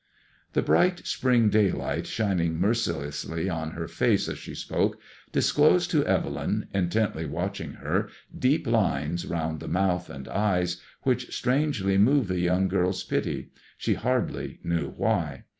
The bright spring daylight 5^hining mercilessly on her face as she spoke, disclosed to Evelyn — intently watching her — deep lines round the mouth and eyes, which strangely moved the young girl's pity, she hardly knew why.